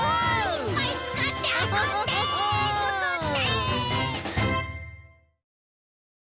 いっぱいつかってあそんでつくって！